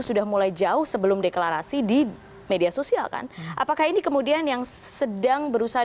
sudah mulai jauh sebelum deklarasi di media sosial kan apakah ini kemudian yang sedang berusaha